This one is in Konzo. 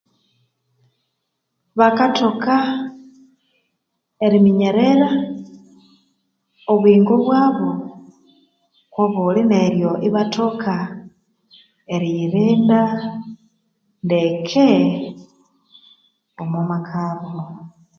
Bakathoka eriminyerera obuyingo bwabu kobuli neryo ibathoka eriyirinda ndeke omo makabo